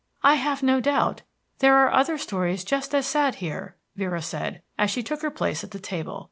"I have no doubt there are other stories just as sad here," Vera said, as she took her place at the table.